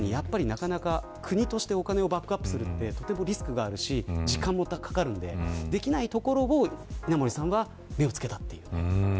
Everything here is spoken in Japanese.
なかなか国としてお金をバックアップするのはリスクがあるし時間もかかるのでできないところを稲盛さんは目をつけた。